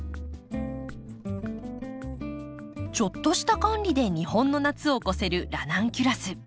ちょっとした管理で日本の夏を越せるラナンキュラス。